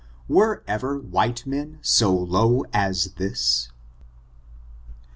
Were ever white men so low as this?